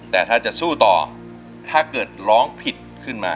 แต่ถ้าจะสู้ต่อถ้าเกิดร้องผิดขึ้นมา